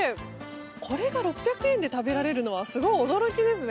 これが６００円で食べられるのはすごく驚きです。